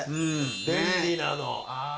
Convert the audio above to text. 便利なの。